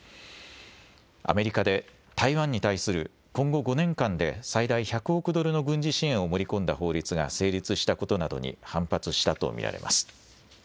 アメリカで台湾に対する今後５年間で最大１００億ドルの軍事支援を盛り込んだ法律が成立したことなどに反発したと見られます。